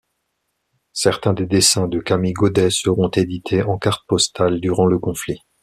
Certains des dessins de Camille Godet seront édités en cartes postales durant le conflit.